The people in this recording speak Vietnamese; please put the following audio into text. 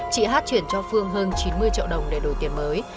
chị hát chuyển cho phương hơn chín mươi triệu đồng để đổi tiền mới